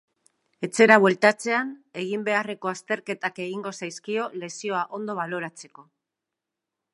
Etxera bueltatzean, egin beharreko azterketak egingo zaizkio lesioa ondo baloratzeko.